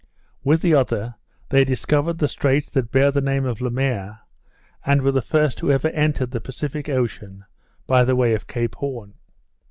With the other they discovered the straits that bear the name of Le Maire, and were the first who ever entered the Pacific Ocean, by the way of Cape Horn.